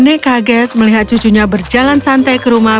ini kaget melihat cucunya berjalan santai ke rumah